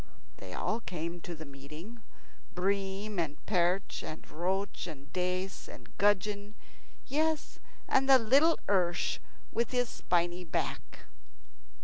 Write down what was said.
They all came to the meeting bream, and perch, and roach, and dace, and gudgeon; yes, and the little ersh with his spiny back.